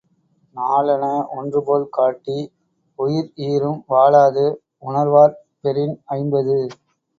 நாளென ஒன்றுபோல் காட்டி உயிர்ஈரும் வாளது உணர்வார்ப் பெறின் ஐம்பது.